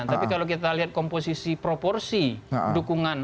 tapi kalau kita lihat komposisi proporsi dukungan